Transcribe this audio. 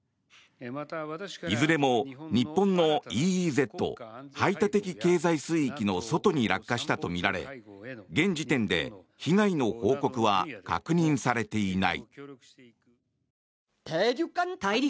いずれも日本のＥＥＺ・排他的経済水域の外に落下したとみられ現時点で被害の報告は確認されていない。